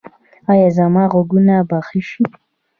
ایا زما غوږونه به ښه شي؟